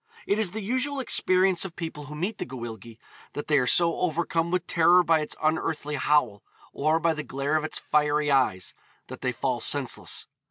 It is the usual experience of people who meet the Gwyllgi that they are so overcome with terror by its unearthly howl, or by the glare of its fiery eyes, that they fall senseless.